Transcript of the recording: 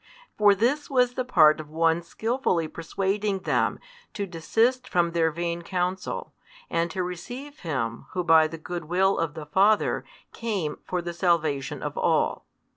For this was the part of one skillfully persuading them to desist from their vain counsel, and to receive Him Who by the goodwill of the Father came for the salvation of all.